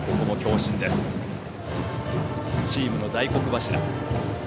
チームの大黒柱、山田。